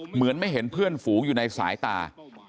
เหมือนไม่เห็นเพื่อนฝูงอยู่ในสายตา